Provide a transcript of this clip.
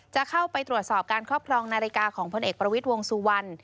จะเข้าไปตรวจสอบการครอบครองนาฬิกาของพลเอกประวิทย์วงสุวรรณ